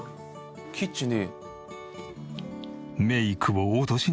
キッチンで。